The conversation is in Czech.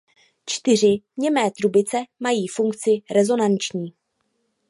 Čtyři němé trubice mají funkci rezonanční.